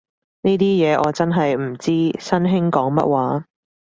呢啲嘢我真係唔知，新興講乜話